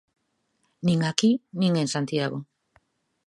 Nin aquí nin en Santiago.